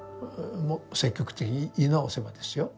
積極的に言い直せばですよ。